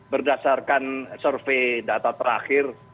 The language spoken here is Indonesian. berdasarkan survei data terakhir